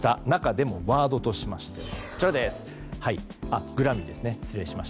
中でも、ワードとしましてはグラミーです。